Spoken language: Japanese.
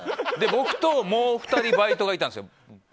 僕ともう２人バイトがいたんです。